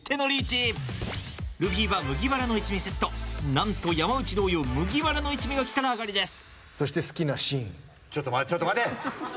何と山内同様麦わらの一味がきたらあがりです。